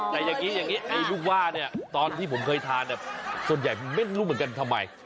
แต่อย่างนี้ลูกว่าเนี่ยตอนที่ผมเคยทานส่วนใหญ่มันเม็ดลูกเหมือนกันทำไม